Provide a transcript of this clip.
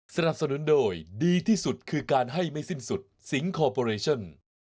สนับสนุนโดยดีที่สุดคือการให้ไม่สิ้นสุดสิงคอร์ปอเรชั่น